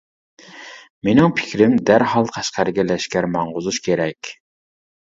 مىنىڭ پىكرىم، دەرھال قەشقەرگە لەشكەر ماڭغۇزۇش كېرەك.